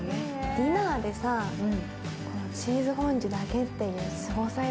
ディナーでチーズフォンデュだけっていうすごさよ。